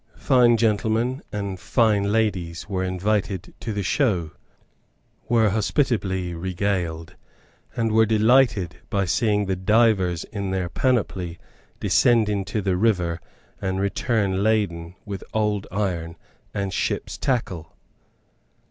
Fine gentlemen and fine ladies were invited to the show, were hospitably regaled, and were delighted by seeing the divers in their panoply descend into the river and return laden with old iron, and ship's tackle.